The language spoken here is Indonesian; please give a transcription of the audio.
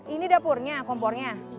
ini dapurnya kompornya